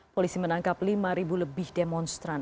polisi menangkap lima lebih demonstran